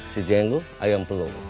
si jeno ayam pelu